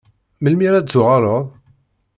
Melmi ara d-tuɣaleḍ?